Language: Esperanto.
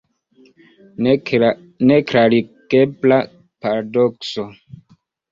Neklarigebla paradokso!